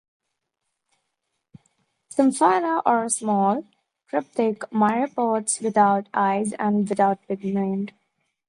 Symphyla are small, cryptic myriapods without eyes and without pigment.